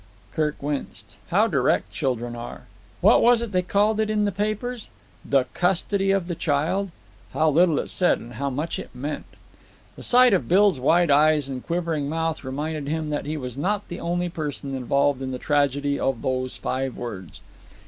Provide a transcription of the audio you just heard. Kirk winced. How direct children are! What was it they called it in the papers? "The custody of the child." How little it said and how much it meant! The sight of Bill's wide eyes and quivering mouth reminded him that he was not the only person involved in the tragedy of those five words.